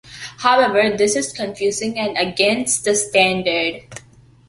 However, this is confusing and against the standard.